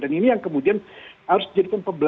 dan ini yang kemudian harus dijadikan peburu